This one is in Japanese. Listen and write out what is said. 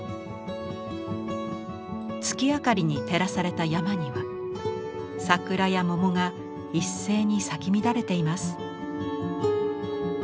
月明かりに照らされた山には桜や桃が一斉に咲き乱れています。